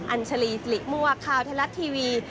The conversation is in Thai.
อัญชลีสลิมวะคราวทะลัดทีวี